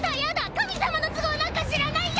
神様の都合なんか知らないよ！